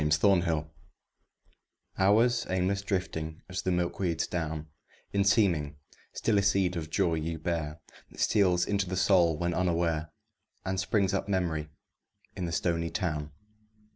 SUMMER HOURS Hours aimless drifting as the milkweed's down In seeming, still a seed of joy ye bear That steals into the soul when unaware, And springs up Memory in the stony town.